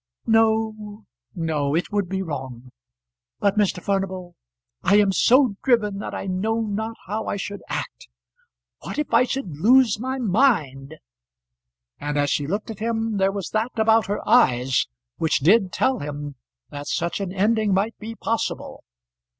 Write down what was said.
"No, no. It would be wrong. But, Mr. Furnival, I am so driven that I know not how I should act. What if I should lose my mind?" And as she looked at him there was that about her eyes which did tell him that such an ending might be possible.